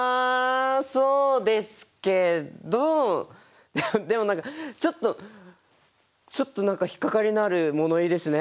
そうですけどでも何かちょっとちょっと何か引っ掛かりのある物言いですね。